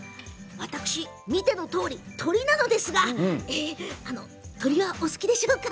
私、見てのとおり鳥なのですが鳥はお好きでしょうか。